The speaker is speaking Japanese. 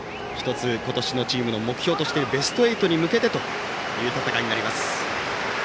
今年のチームの目標としているベスト８に向けてという戦いになります。